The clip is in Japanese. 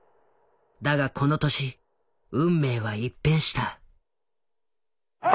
だがこの年運命は一変した。